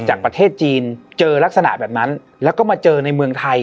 จากประเทศจีนเจอลักษณะแบบนั้นแล้วก็มาเจอในเมืองไทย